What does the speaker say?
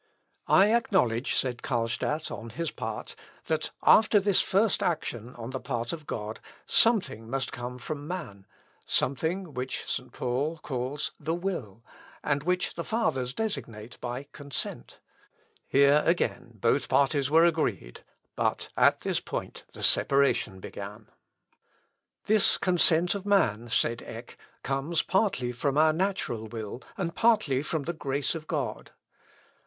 "I acknowledge," said Carlstadt, on his part, "that after this first action on the part of God, something must come from man, something which St. Paul calls the will, and which the fathers designate by consent." Here again both parties were agreed but at this point the separation began. "This consent of man," said Eck, "comes partly from our natural will, and partly from the grace of God."